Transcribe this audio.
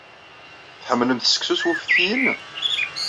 Tḥemmlemt seksu s wuftiyen?